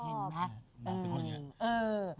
เห็นนะน้ำเป็นคนเงียบ